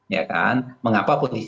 ya kan mengapa polri